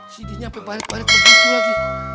si didi nyampe balet balet begitu lagi